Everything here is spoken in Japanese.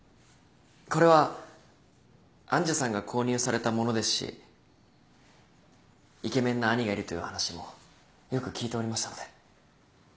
これは愛珠さんが購入されたものですしイケメンな兄がいるという話もよく聞いておりましたので。